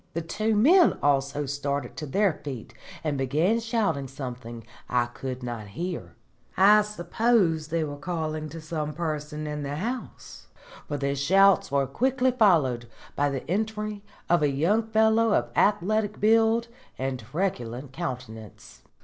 The two men also started to their feet and began shouting something I could not hear. I suppose they were calling to some person in the house, for the shouts were quickly followed by the entry of a young fellow of athletic build and truculent countenance.